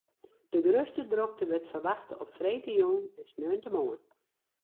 De grutste drokte wurdt ferwachte op freedtejûn en sneontemoarn.